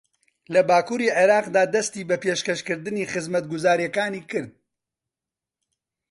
لە باکووری عێراقدا دەستی بە پێشەکەشکردنی خزمەتگوزارییەکانی کرد